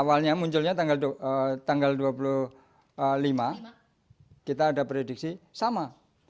awalnya munculnya tanggal dua puluh lima kita ada prediksi sama